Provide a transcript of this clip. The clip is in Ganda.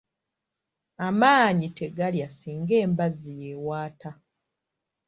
Amaanyi tegalya singa embazzi y’ewaata